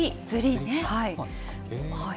そうなんですか？